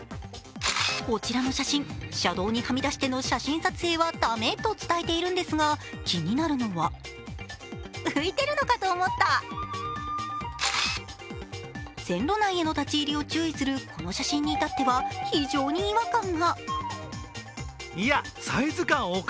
こちらの写真、車道にはみ出して写真撮影は駄目と伝えているんですが、気になるのは線路内への立ち入りを注意するこの写真に至っては非常に違和感が。